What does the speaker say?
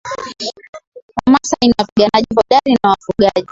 Wamasai ni wapiganaji hodari na wafugaji